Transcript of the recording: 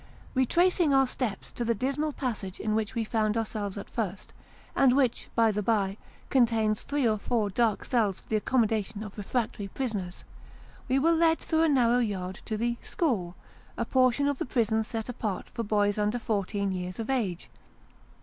* Eetracing our steps to the dismal passage in which we found our selves at first (and which, by the bye, contains three or four dark cells for the accommodation of refractory prisoners), we were led through a narrow yard to the " school " a portion of the prison set apart for boys under fourteen years of age.